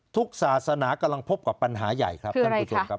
ศาสนากำลังพบกับปัญหาใหญ่ครับท่านผู้ชมครับ